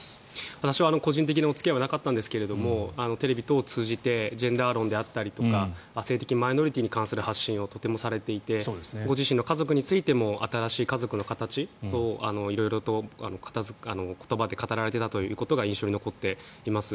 私は個人的にはお付き合いはなかったんですがテレビ等を通じてジェンダー論であったりとか性的マイノリティーについても発信をとてもされていてご自身の家族についても新しい家族の形を色々と言葉で語られていたということが印象に残っています。